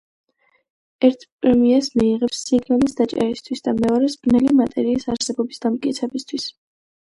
ერთ პრემიას მიიღებს სიგნალის დაჭერისთვის და მეორეს – ბნელი მატერიის არსებობის დამტკიცებისთვის.